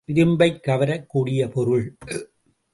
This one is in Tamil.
இரும்பைக் கவரப் கூடிய பொருள்.